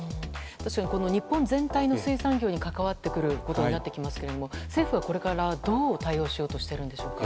確かに日本全体の水産業に関わってくることになりそうですが政府はこれからどう対応しようとしているんでしょうか。